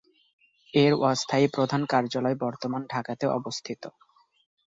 এর অস্থায়ী প্রধান কার্যলয় বর্তমান ঢাকাতে অবস্থিত।